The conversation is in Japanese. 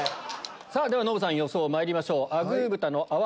さぁではノブさん予想まいりましょう。